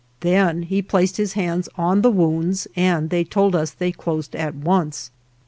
Then he placed his hands on the wounds, and they told us that they closed at once.